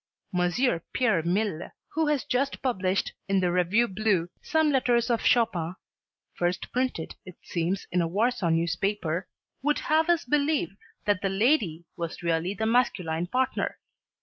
M. Pierre Mille, who has just published in the "Revue Bleue" some letters of Chopin (first printed, it seems, in a Warsaw newspaper), would have us believe that the lady was really the masculine partner.